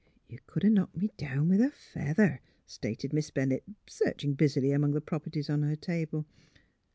*' You c'd 'a' knocked me down with a feather! " stated Miss Bennett, searching busily among the properties on her table.